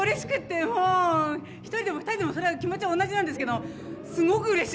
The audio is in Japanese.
「１人でも２人でもそれは気持ちは同じなんですけどすごくうれしい。